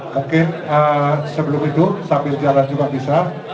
mungkin sebelum itu sambil jalan juga bisa